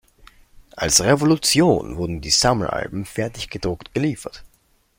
Als Revolution wurden die Sammelalben fertig gedruckt geliefert.